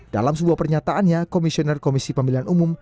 dalam sebuah pernyataannya komisioner komisi pemilihan umum